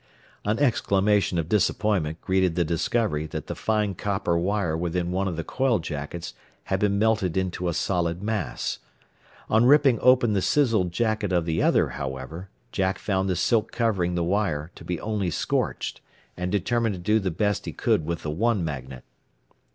An exclamation of disappointment greeted the discovery that the fine copper wire within one of the coil jackets had been melted into a solid mass. On ripping open the sizzled jacket of the other, however, Jack found the silk covering the wire to be only scorched, and determined to do the best he could with the one magnet.